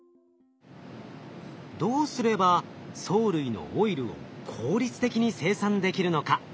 どうすれば藻類のオイルを効率的に生産できるのか？